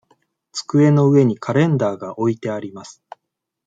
机の上にカレンダーが置いてあります。